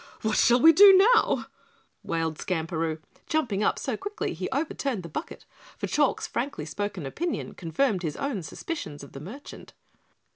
What shall we do now?" wailed Skamperoo, jumping up so quickly he overturned the bucket, for Chalk's frankly spoken opinion confirmed his own suspicions of the merchant.